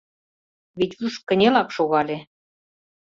— Витюш кынелак шогале.